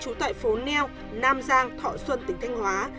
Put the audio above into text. trú tại phố neo nam giang thọ xuân tỉnh thanh hóa